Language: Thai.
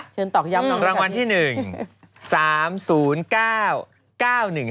ชื่นตอกย้ำน้องค่ะพี่รางวัลที่หนึ่ง